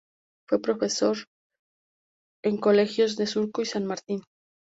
Fue profesor en colegios de Surco y San Martín.